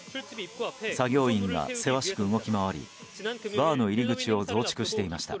作業員がせわしく動き回りバーの入り口を増築していました。